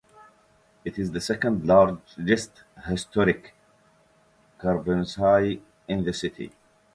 It is the second largest historic caravanserai in the city.